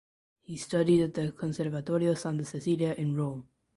He studied at the Conservatorio Santa Cecilia in Rome.